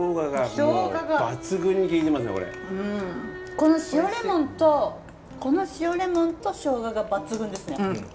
この塩レモンとこの塩レモンと生姜が抜群ですね！